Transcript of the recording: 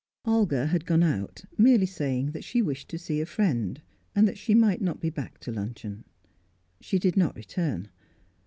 Olga had gone out, merely saying that she wished to see a friend, and that she might not be back to luncheon. She did not return.